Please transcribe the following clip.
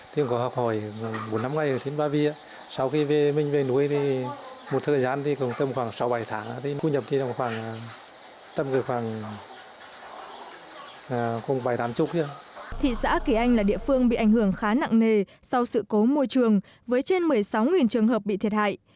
thị xã kỳ anh là địa phương bị ảnh hưởng khá nặng nề sau sự cố môi trường với trên một mươi sáu trường hợp bị thiệt hại